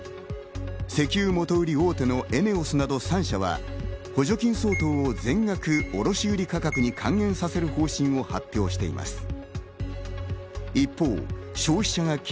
石油元売り大手のエネオスなど３社は補助金相当を全額、卸売価格に還元させる方針を発表しています。